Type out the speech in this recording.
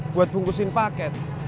buat bungkusin paket